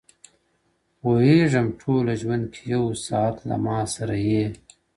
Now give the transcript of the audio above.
پوهېږم ټوله ژوند کي يو ساعت له ما سره يې!!